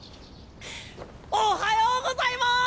おはようございます！